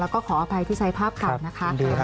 แล้วก็ขออภัยที่ไซฟ์ภาพกลับนะคะขอบพระคุณค่ะ